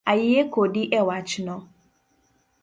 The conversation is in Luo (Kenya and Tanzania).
Ayie kodi ewachno